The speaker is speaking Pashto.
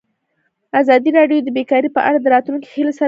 ازادي راډیو د بیکاري په اړه د راتلونکي هیلې څرګندې کړې.